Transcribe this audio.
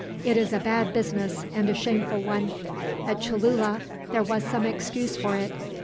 It is a bad business, and a shameful one. At Cholula there was some excuse for it.